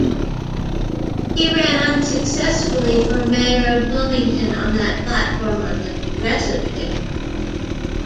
He ran unsuccessfully for Mayor of Wilmington on that platform on the Progressive ticket.